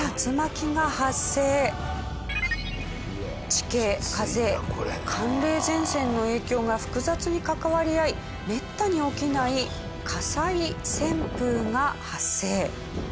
地形風寒冷前線の影響が複雑に関わり合いめったに起きない火災旋風が発生。